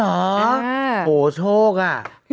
โอ้โหโชคอ่ะ